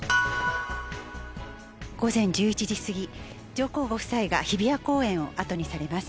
午前１１時過ぎ、上皇ご夫妻が日比谷公園をあとにされます。